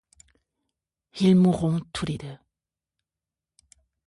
Ils mourront tous les deux.